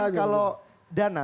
cuma kalau dana